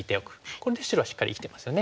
これで白はしっかり生きてますよね。